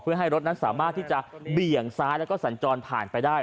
เพื่อให้รถนั้นสามารถที่จะเบี่ยงซ้ายแล้วก็สัญจรผ่านไปได้